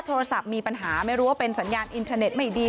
โทรศัพท์มีปัญหาไม่รู้ว่าเป็นสัญญาณอินเทอร์เน็ตไม่ดี